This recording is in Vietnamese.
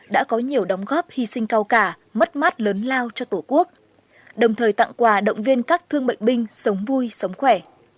đã có nhiều đóng góp hy sinh cao cả mất mát lớn lao cho tổ quốc đồng thời tặng quà động viên các thương bệnh binh sống vui sống khỏe